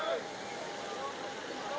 jaka akan menyerang dprk